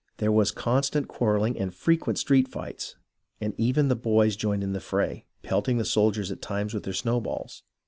There was con stant quarrelling and frequent street fights, and even the boys joined in the fray, pelting the soldiers at times with their snowballs.